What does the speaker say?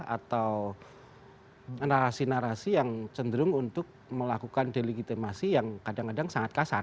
atau narasi narasi yang cenderung untuk melakukan delegitimasi yang kadang kadang sangat kasar